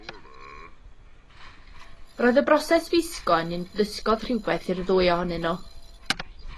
Roedd y broses wisgo yn un ddysgodd rywbeth i'r ddwy ohonyn nhw.